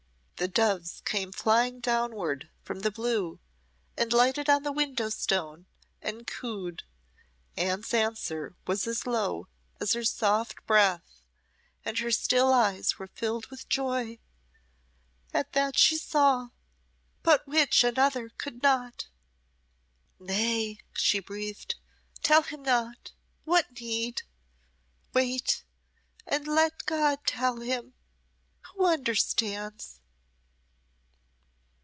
The doves came flying downward from the blue, and lighted on the window stone and cooed Anne's answer was as low as her soft breath and her still eyes were filled with joy at that she saw but which another could not. "Nay," she breathed. "Tell him not. What need? Wait, and let God tell him who understands."